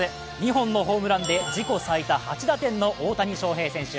２本のホームランで自己最多８打点の大谷翔平選手。